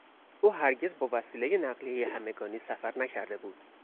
او هرگز با وسیلهی نقلیهی همگانی سفر نکرده بود.